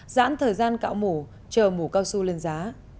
giãn thời gian cạo mủ chờ mổ cao su lên giá